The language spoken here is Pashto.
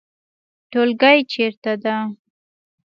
ټولګی چیرته ده؟